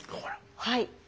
はい。